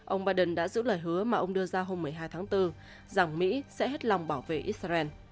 ông biden đã giữ lời hứa mà ông đưa ra hôm một mươi hai tháng bốn rằng mỹ sẽ hết lòng bảo vệ israel